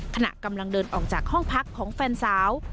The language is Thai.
ขณะกำลังเดินออกจากห้องพักของแฟนสาว